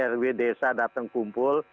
rw desa datang kumpul